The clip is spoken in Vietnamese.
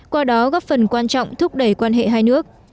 qua đó góp phần quan trọng thúc đẩy quan hệ hai nước